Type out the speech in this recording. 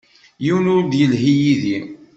Yiwen ur d-yelhi yid-i.